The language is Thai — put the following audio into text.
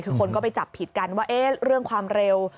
คือคนก็ไปจับผิดกันว่าเรื่องความเร็ว